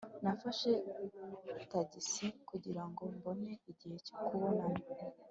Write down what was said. nafashe tagisi kugira ngo mbone igihe cyo kubonana